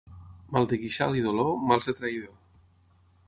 Mal de queixal i dolor, mals de traïdor.